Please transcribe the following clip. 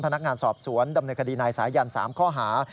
พนักงานสอบสวนดำเนินคดีนายสายัน๓ข้อหา